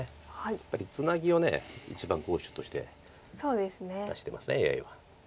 やっぱりツナギを一番候補手として出してますＡＩは。